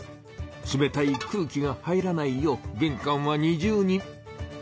冷たい空気が入らないよう玄関は二重に。